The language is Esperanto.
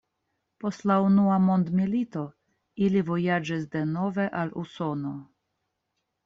Post la unua mondmilito ili vojaĝis denove al Usono.